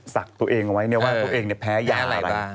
สักตัวเองไว้เนี่ยว่าตัวเองเนี่ยแพ้ยาอะไร